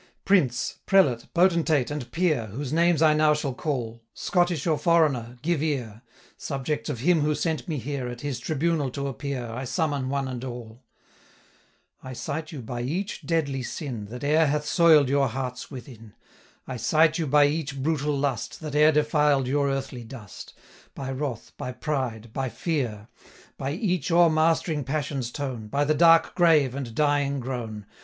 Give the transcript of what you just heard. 'Prince, prelate, potentate, and peer, Whose names I now shall call, Scottish, or foreigner, give ear! Subjects of him who sent me here, At his tribunal to appear, 740 I summon one and all: I cite you by each deadly sin, That e'er hath soil'd your hearts within; I cite you by each brutal lust, That e'er defiled your earthly dust, 745 By wrath, by pride, by fear, By each o'er mastering passion's tone, By the dark grave, and dying groan!